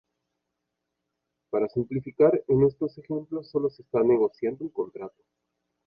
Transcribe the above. Para simplificar, en estos ejemplos sólo se está negociando un contrato.